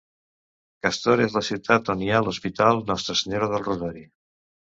Castor és la ciutat on hi ha l'hospital Nostra Senyora del Rosari.